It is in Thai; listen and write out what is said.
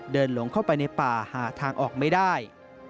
หลงเข้าไปในป่าหาทางออกไม่ได้